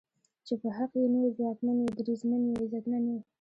چې په حق ئې نو ځواکمن یې، دریځمن یې، عزتمن یې